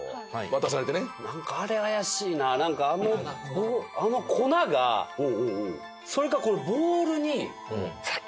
渡されてねなんかあれ怪しいななんかあのあの粉がおおおおおおそれかこのボウルに先に？